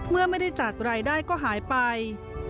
เมื่อไม่ได้จัดรายได้ก็หายไป